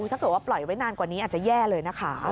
ถ้าเกิดว่าปล่อยไว้นานกว่านี้อาจจะแย่เลยนะคะ